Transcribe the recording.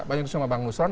banyak disuruh bang nusra